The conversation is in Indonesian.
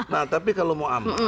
nah tapi kalau mau aman